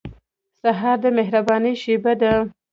سهار د مهربانۍ شېبه ده.